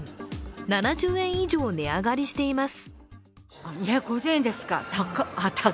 ７０円以上値上がりしています。